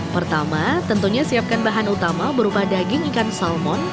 pertama tentunya siapkan bahan utama berupa daging ikan salmon